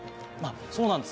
そうなんです